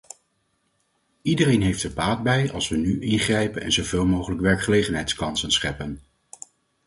Iedereen heeft er baat bij als we nu ingrijpen en zoveel mogelijk werkgelegenheidskansen scheppen.